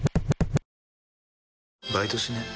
「バイトしねえ？